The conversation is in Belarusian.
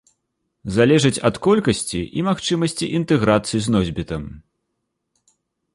Залежыць ад колькасці і магчымасці інтэграцыі з носьбітам.